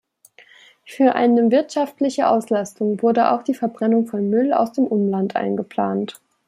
Für eine wirtschaftliche Auslastung wurde auch die Verbrennung von Müll aus dem Umland eingeplant.